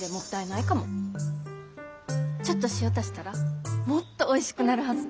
ちょっと塩足したらもっとおいしくなるはず。